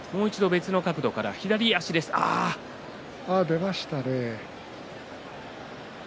出ましたね。